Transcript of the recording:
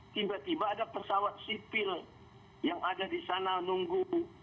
tiba tiba ada pesawat sipil yang ada di sana nunggu